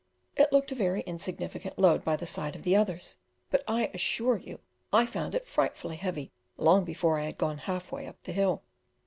It looked a very insignificant load by the side of the others, but I assure you I found it frightfully heavy long before I had gone half way up the hill.